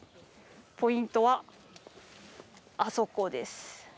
ポイントは、あそこです。